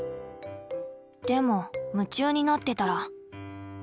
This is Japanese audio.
でも夢中になってたら。